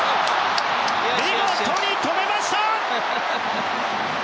見事に止めました！